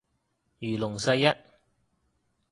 如龍世一